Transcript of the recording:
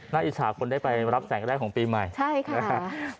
น่าอิจฉาคนได้ไปรับแสงแรกของปีใหม่ใช่ค่ะ